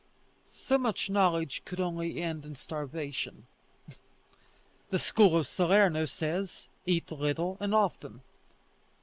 So much knowledge could only end in starvation. The school of Salerno says, "Eat little and often."